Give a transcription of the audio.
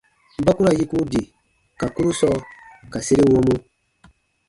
Ba ku ra yiku di ka kurusɔ ka sere wɔmu.